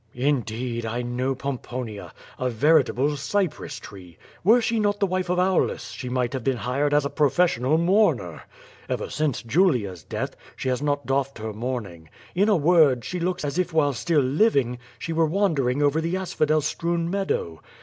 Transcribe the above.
"Indeed, I know Pomponia — a veritable cypress tree. Were she not the wife of Aulus, she might have been hired as a professional mourner. Ever since Julia's death, she has not doffed her mourning; in a word, she looks as if while still living, she were wandering over the asphodel strewn meadow.